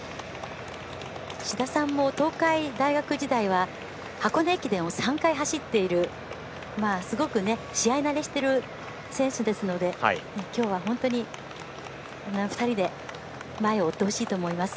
志田さんも東海大学時代は箱根駅伝を３回走っているすごく試合慣れしている選手ですのできょうは本当に２人で前を追ってほしいと思います。